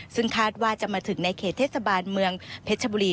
ซึ่งคาดว่าจะมาถึงในเขตเทศบาลเมืองเพชรบุรี